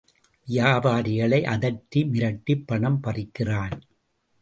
வியாபாரிகளை அதட்டி மிரட்டிப்பணம் பறிக்கிறான்.